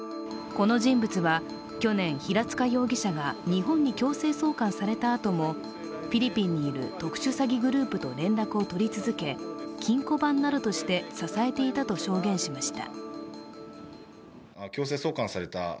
この人物は、去年、平塚容疑者が日本に強制送還されたあともフィリピンにいる特殊詐欺グループと連絡を取り続け、金庫番などとして支えていたと証言しました。